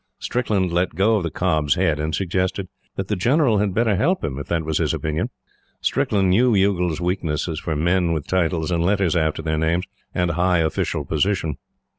Strickland let go of the cob's head, and suggested that the General had better help them, if that was his opinion. Strickland knew Youghal's weakness for men with titles and letters after their names and high official position.